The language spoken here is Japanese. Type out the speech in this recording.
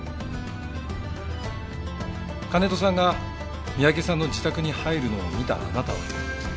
金戸さんが三宅さんの自宅に入るのを見たあなたは。